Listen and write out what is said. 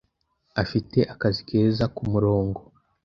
Afite akazi keza kumurongo